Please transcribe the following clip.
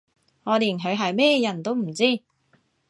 我連佢係咩人都唔知